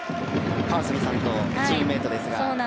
川澄さんとチームメートですが。